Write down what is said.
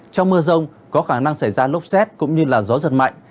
trong mưa rông có khả năng xảy ra lốc xét cũng như gió giật mạnh